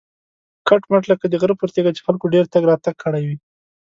کټ مټ لکه د غره پر تیږه چې خلکو ډېر تګ راتګ کړی وي.